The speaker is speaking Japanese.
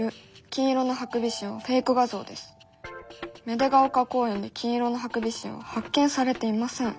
芽出ヶ丘公園で金色のハクビシンは発見されていません」。